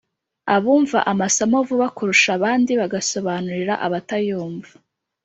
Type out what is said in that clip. abumva amasomo vuba kurusha abandi bagasobanurira abatayumva